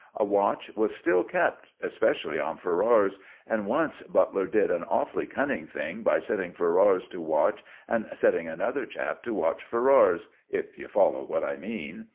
A watch was still kept, especially on Ferrars; and once Butler did an awfully cunning thing by setting Ferrars to watch and setting another chap to watch Ferrars, if you follow what I mean.